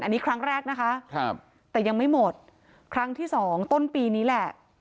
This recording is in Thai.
อันนี้ครั้งแรกนะคะครับแต่ยังไม่หมดครั้งที่สองต้นปีนี้แหละ